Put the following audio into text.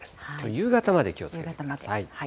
夕方まで気をつけてください。